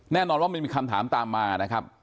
แน่นอนว่ามันมีคำถามตามมานะครับ